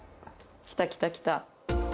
来た来た来た。